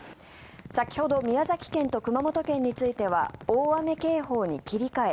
先ほど宮崎県と熊本県については大雨警報に切り替え